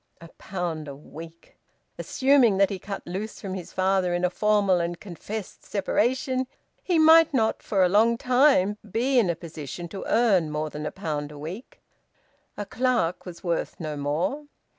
A pound a week! Assuming that he cut loose from his father, in a formal and confessed separation, he might not for a long time be in a position to earn more than a pound a week. A clerk was worth no more.